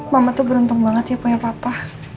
mama tuh beruntung banget ya punya papa